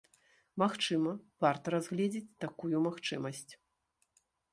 Магчыма, варта разгледзець такую магчымасць.